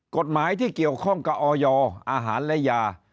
กฎหมายที่เกี่ยวข้องกับออยอาหารและยา